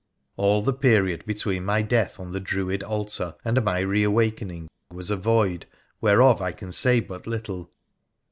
All the period between my death on the Druid altar and my reawakening was a void, whereof I can say but little.